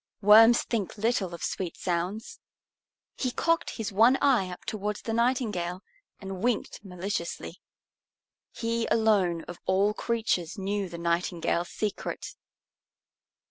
Worms think little of sweet sounds. He cocked his one eye up towards the Nightingale and winked maliciously. He alone of all creatures knew the Nightingale's secret.